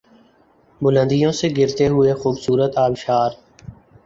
بلندیوں سے گرتے ہوئے خوبصورت آبشار